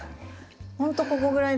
ほんとここぐらいでした。